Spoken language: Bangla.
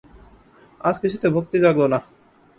আজ কিছুতে ভক্তি জাগল না।